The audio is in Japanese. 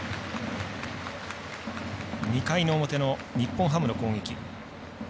２回の表の日本ハムの攻撃。